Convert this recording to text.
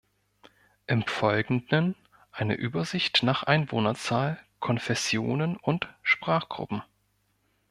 Im Folgenden eine Übersicht nach Einwohnerzahl, Konfessionen und Sprachgruppen.